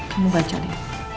kamu baca deh